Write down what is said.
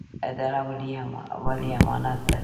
اداره ولې امانت ده؟